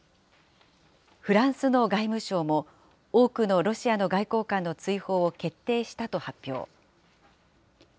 フランスの外務省も、多くのロシアの外交官の追放を決定したと発表。